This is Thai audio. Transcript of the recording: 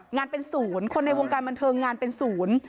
งานเป็นศูนย์คนในวงการบันเทิงงานเป็นศูนย์